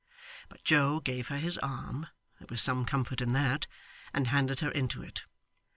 But Joe gave her his arm there was some comfort in that and handed her into it.